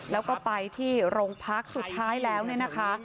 แล้วก็ไปที่โรงพักสุดท้ายแล้วเนี่ยนะคะ